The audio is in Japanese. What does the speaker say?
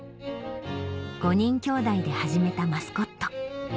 ５人きょうだいで始めた『マスコット』